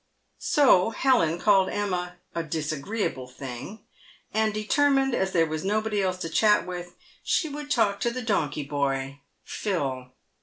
So Helen called Emma " a disagreeable thing," and determined, as there was nobody else to chat with, she would talk to the donkey boy, Phil.